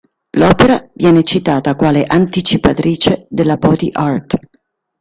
L'opera viene citata quale anticipatrice della body art.